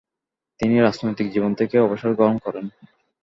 তিনি রাজনৈতিক জীবন থেকে অবসর গ্রহণ করেন।